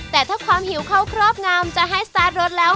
แต่ถ้าความหิวเขาครอบงามจะให้สตาร์ทรถแล้ว